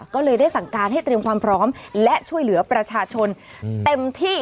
ก็เลยได้สั่งการให้เตรียมความพร้อมและช่วยเหลือประชาชนเต็มที่